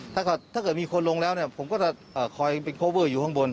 ถ้าเกิดมีคนลงแล้วเนี่ยผมก็จะคอยเป็นโคเวอร์อยู่ข้างบน